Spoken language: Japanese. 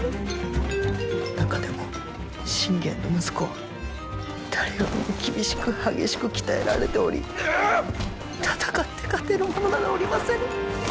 中でも信玄の息子は誰よりも厳しく激しく鍛えられており戦って勝てる者などおりませぬ！